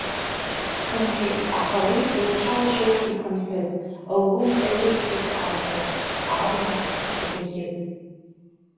Дхынҳәит, аха уи лцәа-лжьы ауп ихынҳәыз, лгәы мҵаирсит арԥыс, аума згәаӷьыз.